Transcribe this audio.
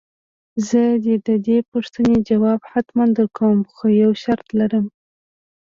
زه دې د دې پوښتنې ځواب حتماً درکوم خو يو شرط لرم.